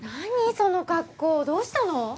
その格好どうしたの？